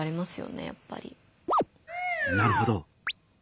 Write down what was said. なるほど。